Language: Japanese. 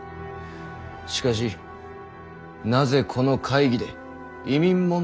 しかしなぜこの会議で移民問題が大事か。